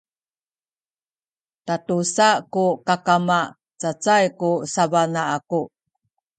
tatusa ku kakama cacay ku sabana aku